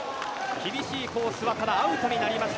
厳しいコースはただ、アウトになりました。